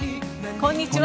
こんにちは。